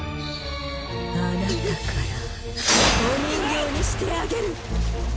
あなたからお人形にしてあげる！